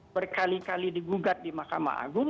berkali kali digugat di mahkamah agung